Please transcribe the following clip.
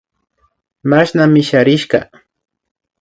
Mashna misharishka